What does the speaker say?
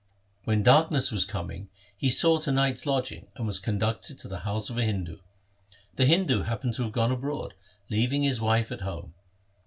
When darkness was coming on he sought a night's lodging, and was con ducted to the house of a Hindu. The Hindu hap pened to have gone abroad, leaving his wife at home.